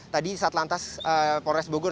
tadi satuan lantas polres bogor